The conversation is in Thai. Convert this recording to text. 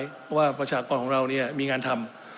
เพราะว่าประชากรของเรามีงานทำ